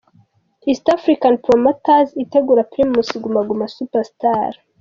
East Africa Promoters itegura Primus Guma Guma Super Star.